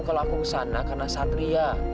kalau aku kesana karena satria